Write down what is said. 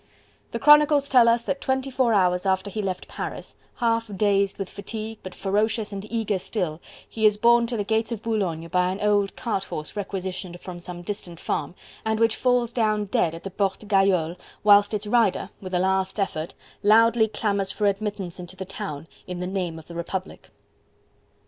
The chronicles tell us that twenty four hours after he left Paris, half dazed with fatigue, but ferocious and eager still, he is borne to the gates of Boulogne by an old cart horse requisitioned from some distant farm, and which falls down, dead, at the Porte Gayole, whilst its rider, with a last effort, loudly clamours for admittance into the town "in the name of the Republic."